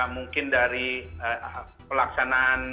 mungkin dari pelaksanaan